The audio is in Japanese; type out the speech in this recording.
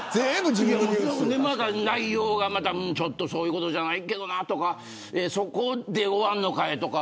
また、内容がちょっとそういうことじゃないけどとかそこで終わんのかいとか。